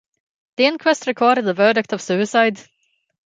The inquest recorded a verdict of suicide.